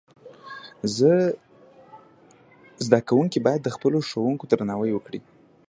زدهکوونکي باید د خپلو ښوونکو درناوی وکړي.